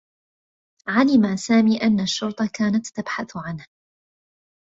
علم سامي أنّ الشّرطة كانت تبحث عنه.